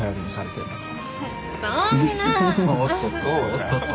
おっとっと。